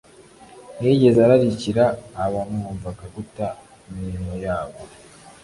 ntiyigeze ararikira abamwumvaga guta imirimo yabo.